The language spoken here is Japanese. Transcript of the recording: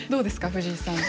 藤井さん。